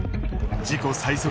自己最速